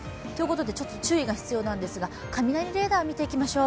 ちょっと注意が必要なんですが、雷レーダーを見ていきましょう。